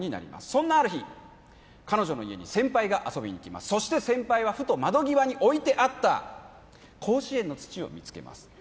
そんなある日彼女の家に先輩が遊びに来ますそして先輩はふと窓際に置いてあった甲子園の土を見つけます